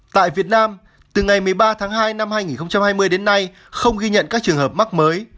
tại việt nam từ ngày một mươi ba tháng hai năm hai nghìn hai mươi đến nay không ghi nhận các trường hợp mắc mới